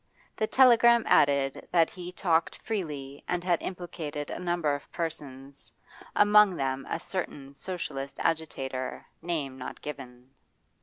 The telegram added that he talked freely and had implicated a number of persons among them a certain Socialist agitator, name not given.